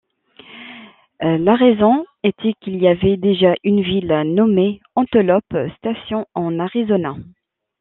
La raison était qu'il y avait déjà une ville nommée Antelope Station en Arizona.